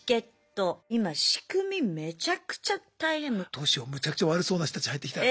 どうしようむちゃくちゃ悪そうな人たち入ってきたら。